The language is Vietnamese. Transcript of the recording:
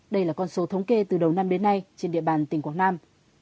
đây là con số thống kê từ đầu năm đến nay trên địa bàn tỉnh quảng nam